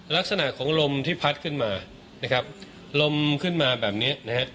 ลักษณะของลมที่พัดขึ้นมานะครับลมขึ้นมาแบบเนี้ยนะฮะ